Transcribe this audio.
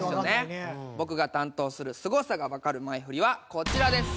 僕が担当するすごさがわかる前フリはこちらです。